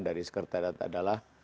dari sekretariat adalah